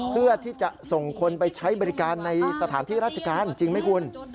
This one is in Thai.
เพื่อที่จะส่งคนไปใช้บริการในสถานที่ราชการจริงไหมคุณ